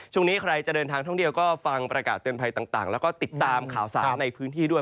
ช่วงนี้ใครจะเดินทางท่องเที่ยวก็ฟังประกาศเตือนภัยต่างแล้วก็ติดตามข่าวสารในพื้นที่ด้วย